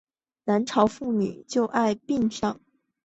南朝妇女就爱在髻上插饰梳栉。